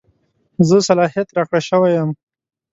زه صلاحیت راکړه شوی یم.